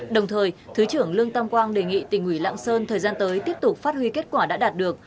đồng thời thứ trưởng lương tam quang đề nghị tỉnh ủy lạng sơn thời gian tới tiếp tục phát huy kết quả đã đạt được